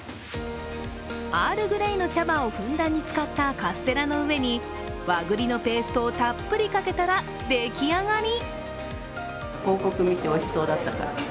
アールグレイの茶葉をふんだんに使ったカステラの上に和栗のペーストをたっぷりかけたら出来上がり。